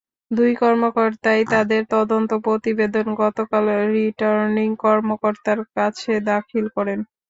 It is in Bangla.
দুই কর্মকর্তাই তাঁদের তদন্ত প্রতিবেদন গতকাল রিটার্নিং কর্মকর্তার কাছে দাখিল করেন।